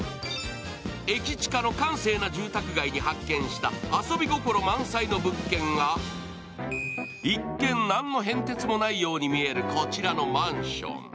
駅近の閑静な住宅街に発見した遊び心満載の物件が一見、何の変哲もないように見えるこちらのマンション。